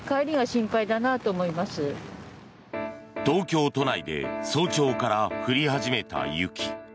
東京都内で早朝から降り始めた雪。